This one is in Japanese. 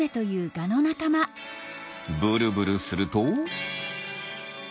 ブルブルすると。